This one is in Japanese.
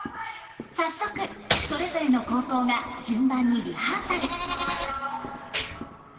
早速それぞれの高校が順番にリハーサル。